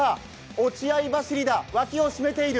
落合走りだ、脇を締めている。